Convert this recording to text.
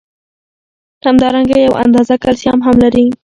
همدارنګه یو اندازه کلسیم هم لري.